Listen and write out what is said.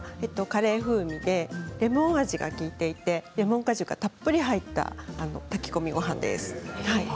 カレー風味でレモン味も利いていてレモン果汁がたっぷり入った炊き込みごはんです。